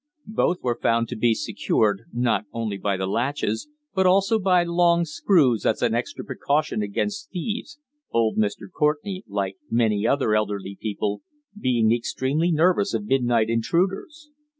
Both were found to be secured, not only by the latches, but also by long screws as an extra precaution against thieves, old Mr. Courtenay, like many other elderly people, being extremely nervous of midnight intruders.